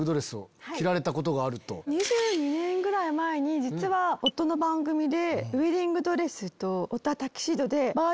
２２年ぐらい前に実は夫の番組で。